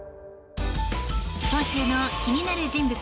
今週の気になる人物